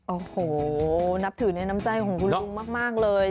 โอ้โหนับถือในน้ำใจของคุณลุงมากเลย